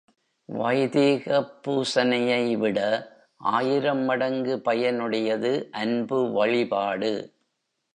வைதீகப் பூசனையை விட, ஆயிரம் மடங்கு பயனுடையது அன்புவழிபாடு.